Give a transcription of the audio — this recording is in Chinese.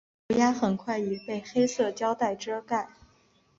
涂鸦很快已被黑色胶袋遮盖。